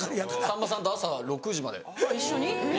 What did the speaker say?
さんまさんと朝６時まで一緒に。